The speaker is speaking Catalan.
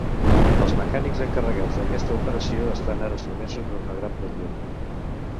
Els mecànics encarregats d'aquesta operació estan ara sotmesos a una gran pressió.